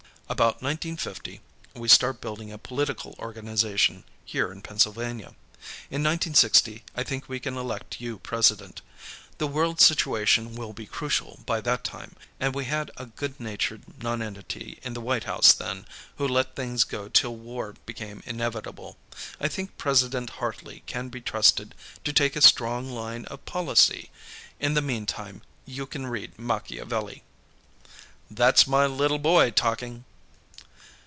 "About 1950, we start building a political organization, here in Pennsylvania. In 1960, I think we can elect you President. The world situation will be crucial, by that time, and we had a good natured nonentity in the White House then, who let things go till war became inevitable. I think President Hartley can be trusted to take a strong line of policy. In the meantime, you can read Machiavelli." "That's my little boy, talking!"